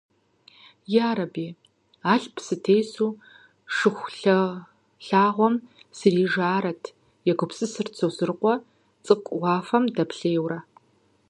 «Ярэби, алъп сытесу Шыхулъагъуэм срижарэт», егупсысырт Сосрыкъуэ цӏыкӏу уафэм дэплъейуэрэ.